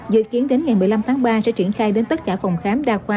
dự kiến đến ngày một mươi năm tháng ba sẽ triển khai đến tất cả phòng khám đa khoa